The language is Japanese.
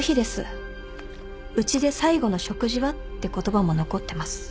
「うちで最後の食事は？」って言葉も残ってます。